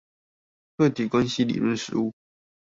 客體關係理論實務